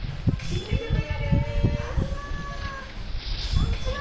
こんちは！